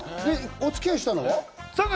お付き合いしたのは？